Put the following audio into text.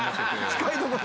近いとこで。